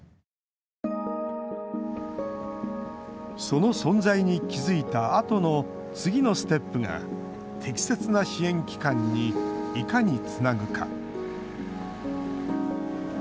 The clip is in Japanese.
その存在に気づいたあとの次のステップが適切な支援機関にいかにつなぐか。